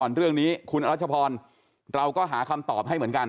เรื่องนี้คุณอรัชพรเราก็หาคำตอบให้เหมือนกัน